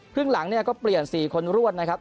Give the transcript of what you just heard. ครึ่งหลังเนี่ยก็เปลี่ยน๔คนรวดนะครับ